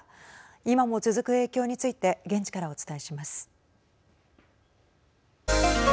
今も続く影響について現地からお伝えします。